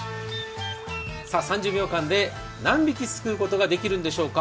３０秒間で何匹すくうことができるんでしょうか。